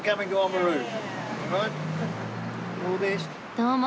どうも。